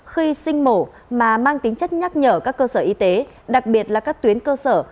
khi sinh mổ mà mang tính chất nhắc nhở các cơ sở y tế đặc biệt là các tuyến cơ sở